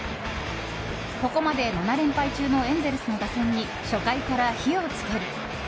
ここまで７連敗中のエンゼルスの打線に、初回から火を付ける。